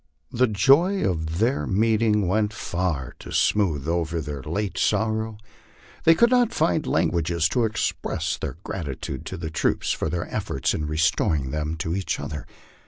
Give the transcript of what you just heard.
The joy of their meeting went far to smooth over their late sorrow. They could not find language to express their gratitude to the troops for their efforts in restoring them to each other.